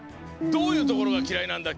どういうところがきらいなんだ？